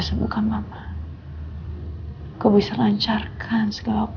jauhkanlah saya dari hal hal buruk